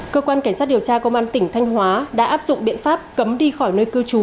cơ quan cảnh sát điều tra công an tỉnh thanh hóa đã áp dụng biện pháp cấm đi khỏi nơi cư trú